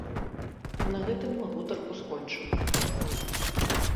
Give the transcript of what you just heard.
На гэтым мы гутарку скончым.